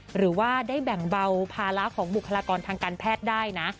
หรือว่าได้แบ่งเบาภาระของบุคลากรทางการแพทย์ได้นะ